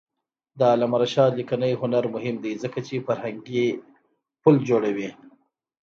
د علامه رشاد لیکنی هنر مهم دی ځکه چې فرهنګي پل جوړوي.